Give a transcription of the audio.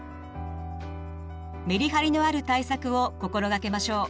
メリハリのある対策を心がけましょう。